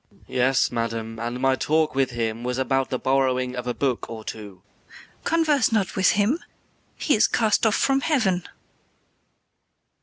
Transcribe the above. MATHIAS. Yes, madam, and my talk with him was About the borrowing of a book or two. KATHARINE. Converse not with him; he is cast off from heaven.